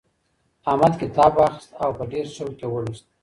احمد کتاب واخیستی او په ډېر شوق یې ولوستی.